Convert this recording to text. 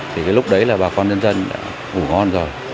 thì cái lúc đấy là bà con nhân dân đã ngủ ngon rồi